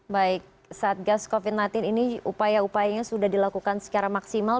baik satgas covid sembilan belas ini upaya upayanya sudah dilakukan secara maksimal